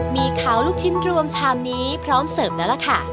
มีขาวลูกชิ้นรวมชามนี้พร้อมเสริมแล้วล่ะค่ะ